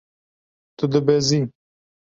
Tu dibezî.